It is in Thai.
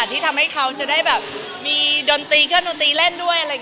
ที่ทำให้เขาจะมีโดนตีเครื่องดนตีได้เล่นด้วย